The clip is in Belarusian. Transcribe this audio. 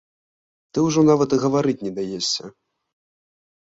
Ты ўжо нават і гаварыць не даешся.